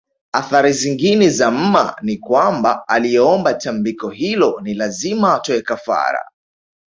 Athari zingine za mma ni kwamba aliyeomba tambiko hilo ni lazima atoe kafara